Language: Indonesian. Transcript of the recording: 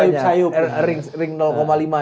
karena sudah dengar dengar sayup sayup